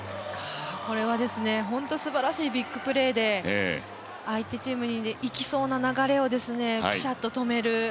これは本当にすばらしいビッグプレーで相手チームにいきそうな流れをピシャッと止める。